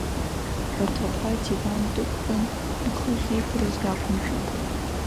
Баҭаҟәа адиван дықәтәан, ихы ахьигарыз дақәымшәо.